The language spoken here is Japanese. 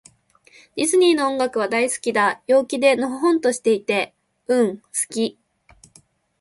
ディズニーの音楽は、大好きだ。陽気で、のほほんとしていて。うん、好き。